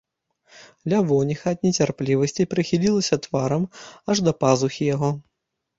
Лявоніха ад нецярплівасці прыхілілася тварам аж да пазухі яго.